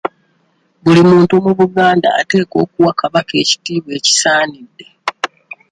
Buli muntu mu Buganda ateekwa okuwa Kabaka ekitiibwa ekisaanidde.